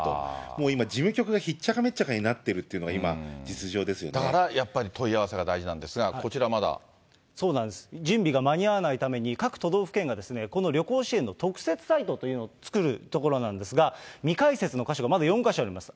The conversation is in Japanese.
もう今、事務局がしっちゃかめっちゃかになっているというのが今、実情でだからやっぱり、問い合わせそうなんです、準備が間に合わないために、各都道府県がこの旅行支援の特設サイトというのを作るところなんですが、未開設の箇所がまだ４か所あります。